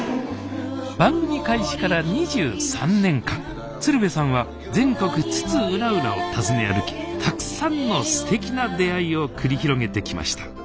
番組開始から２３年間鶴瓶さんは全国津々浦々を訪ね歩きたくさんのすてきな出会いを繰り広げてきました